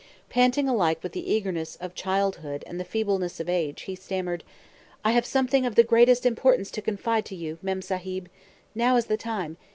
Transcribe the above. Panting alike with the eagerness of childhood and the feebleness of age, he stammered, "I have something of the greatest importance to confide to you, Mem Sahib! Now is the time!